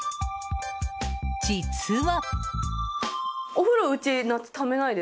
実は。